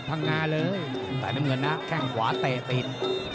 ภายน้ำเงินแข้งขวาเตติด